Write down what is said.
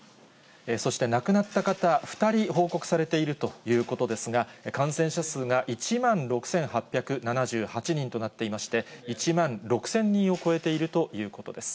そして亡くなった方、２人報告されているということですが、感染者数が１万６８７８人となっていまして、１万６０００人を超えているということです。